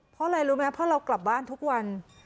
เพราะอะไรรู้ไหมเพราะเรากลับบ้านทุกวัน